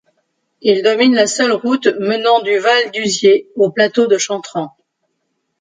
Il domine la seule route menant du Val d'Usiers au plateau de Chantrans.